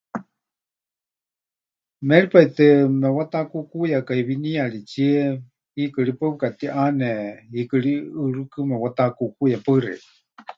Méripai tɨ mepɨwatakuukuyakai winíyaritsie, hiikɨ ri paɨ pɨkatiʼaane, hiikɨ ri ʼɨɨrɨ́kɨ mepɨwatakuukuya. Paɨ xeikɨ́a.